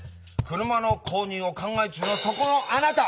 車の購入を考え中のそこのあなた！